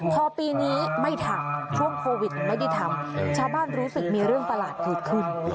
พอปีนี้ไม่ทำช่วงโควิดไม่ได้ทำชาวบ้านรู้สึกมีเรื่องประหลาดเกิดขึ้น